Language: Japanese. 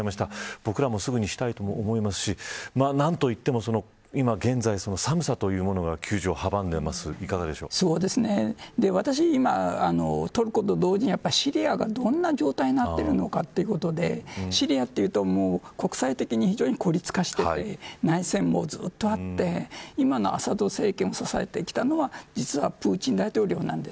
僕らも、すぐにしたいと思いますし何といっても今現在寒さというものが救助を私、今トルコと同時にシリアがどんな状態になっているのかということでシリアというと国際的に非常に孤立化して内戦もずっとあって今のアサド政権を支えてきたのは実はプーチン大統領なんです。